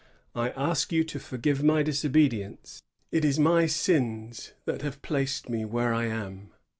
I ask you to forgive my disobedience. It is my sins that have placed me where I am.